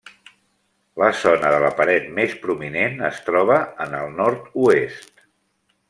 La zona de la paret més prominent es troba en el nord-oest.